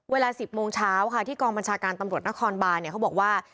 เวลา๑๐โมงเช้าค่ะที่กองบัญชาการตำรวจนครบานเนี่ยเขาบอกว่า